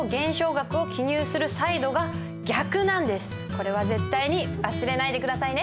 これは絶対に忘れないで下さいね。